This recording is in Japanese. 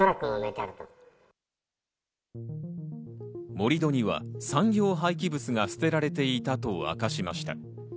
盛り土には産業廃棄物が捨てられていたと明かしました。